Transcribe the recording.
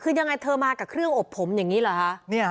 คือยังไงเธอมากับเครื่องอบผมอย่างนี้เหรอคะ